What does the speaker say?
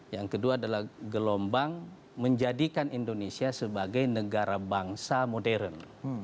yang kedua adalah gelombang menjadikan indonesia sebagai negara bangsa modern